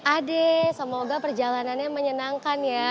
ade semoga perjalanannya menyenangkan ya